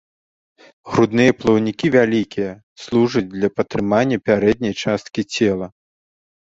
Грудныя плаўнікі вялікія, служаць для падтрымання пярэдняй часткі цела.